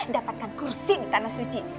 dapatkan kursi di tanah suci